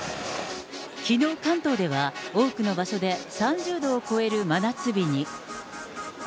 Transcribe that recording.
きのう関東では、多くの場所で３０度を超える真夏日に。